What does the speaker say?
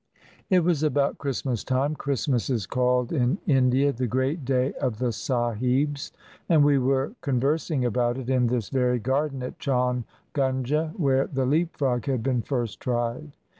... It was about Christmas time. Christmas is called in India the great day of the sahibs ; and we were convers ing about it in this very garden at Chaungunge where the leap frog had been first tried.